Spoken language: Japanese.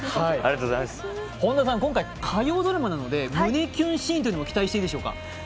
本田さん、今回、火曜ドラマなので胸キュンシーンを期待してもいいですか？